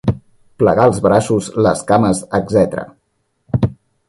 Plegar els braços, les cames, etc.